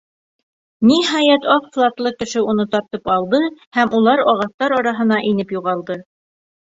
Ниһайәт, аҡ флаглы кеше уны тартып алды һәм улар ағастар араһына инеп юғалды.